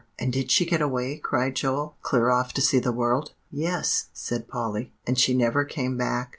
"And did she get away?" cried Joel; "clear off to see the world?" "Yes," said Polly; "and she never came back.